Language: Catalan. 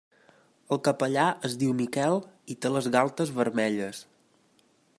El capellà es diu Miquel i té les galtes vermelles.